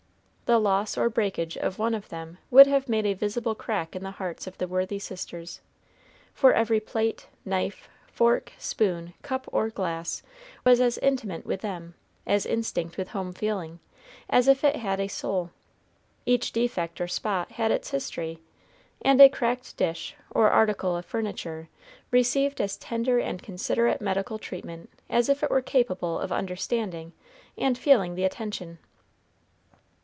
The loss or breakage of one of them would have made a visible crack in the hearts of the worthy sisters, for every plate, knife, fork, spoon, cup, or glass was as intimate with them, as instinct with home feeling, as if it had a soul; each defect or spot had its history, and a cracked dish or article of furniture received as tender and considerate medical treatment as if it were capable of understanding and feeling the attention.